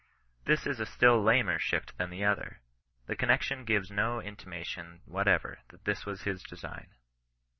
This is a still lamer shift than the other. The connexion gives no in timation whatever that this was his design.